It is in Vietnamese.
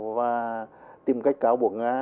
và tìm cách cáo buộc nga